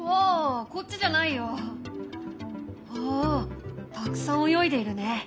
おおたくさん泳いでいるね。